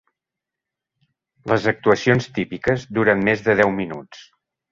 Les actuacions típiques duren més de deu minuts.